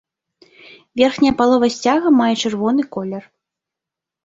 Верхняя палова сцяга мае чырвоны колер.